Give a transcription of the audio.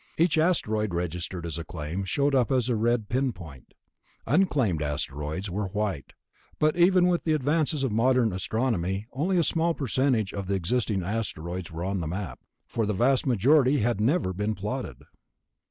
Each asteroid registered as a claim showed up as a red pinpoint; unclaimed asteroids were white. But even with the advances of modern astronomy only a small percentage of the existing asteroids were on the map, for the vast majority had never been plotted.